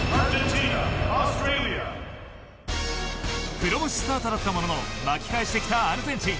黒星スタートだったものの巻き返してきたアルゼンチン。